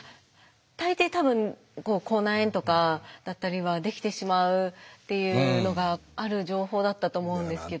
大抵多分口内炎とかだったりはできてしまうっていうのがある情報だったと思うんですけど。